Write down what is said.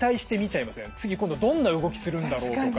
次今度どんな動きするんだろうとか。